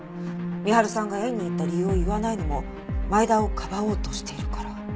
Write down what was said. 深春さんが縁に行った理由を言わないのも前田をかばおうとしているから。